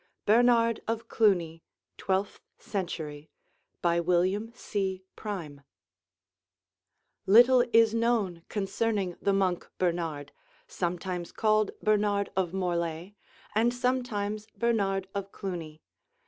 BERNARD OF CLUNY Twelfth Century BY WILLIAM C. PRIME Little is known concerning the monk Bernard, sometimes called Bernard of Morlay and sometimes Bernard of Cluny.